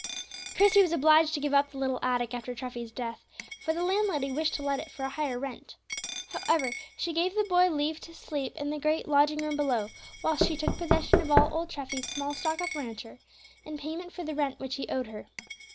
Christie was obliged to give up the little attic after Treffy's death, for the landlady wished to let it for a higher rent. However, she gave the boy leave to sleep in the great lodging room below, whilst she took possession of all old Treffy's small stock of furniture, in payment for the rent which he owed her.